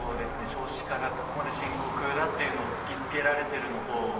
少子化がここまで深刻だっていうのを突き付けられてるのと。